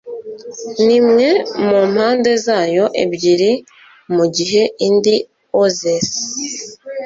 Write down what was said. n'imwe mu mpande zayo ebyiri mu gihe indi oozes